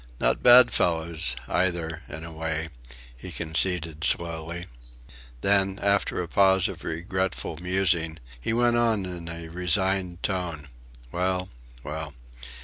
Not bad fellows, either, in a way," he conceded, slowly; then, after a pause of regretful musing, he went on in a resigned tone: "Well, well.